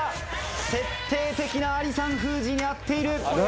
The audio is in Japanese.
徹底的なアリさん封じに合っている。